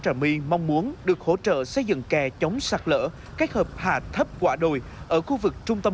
trà my mong muốn được hỗ trợ xây dựng kè chống sạt lở các hợp hà thấp quả đồi ở khu vực trung tâm